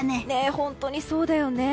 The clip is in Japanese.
本当にそうだよね。